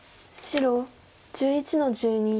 白１１の十二。